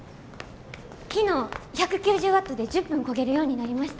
昨日１９０ワットで１０分こげるようになりました。